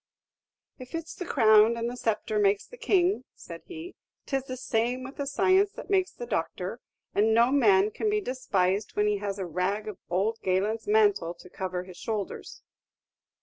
"If it's the crown and the sceptre makes the king," said he, "'tis the same with the science that makes the doctor; and no man can be despised when he has a rag of ould Galen's mantle to cover his shoulders."